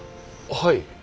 はい